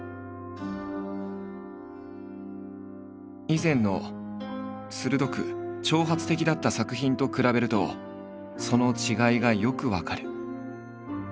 以前の鋭く挑発的だった作品と比べるとその違いがよく分かる。